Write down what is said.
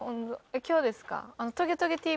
今日ですか？